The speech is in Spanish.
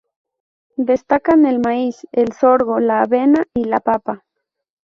Destacan el maíz, el sorgo, la avena y la papa.